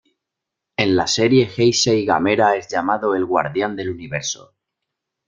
En la serie Heisei Gamera es llamado "el guardián del Universo".